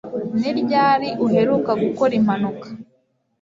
Ni ryari uheruka gukora impanuka